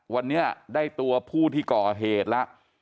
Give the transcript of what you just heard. วันนี้ได้ตัวผู้ที่ก่อเหตุแล้ว